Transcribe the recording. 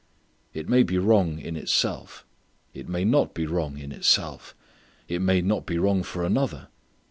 It may be wrong in itself. It may not be wrong in itself. It may not be wrong for another.